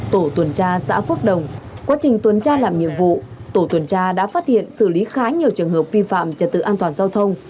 tổ tuần tra xã phước đồng quá trình tuần tra làm nhiệm vụ tổ tuần tra đã phát hiện xử lý khá nhiều trường hợp vi phạm trật tự an toàn giao thông